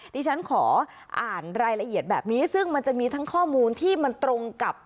ที่ฉันขออ่านรายละเอียดแบบนี้ซึ่งมันจะมีทั้งข้อมูลที่มันตรงกับ